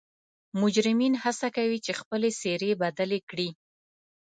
مجرمین حڅه کوي چې خپلې څیرې بدلې کړي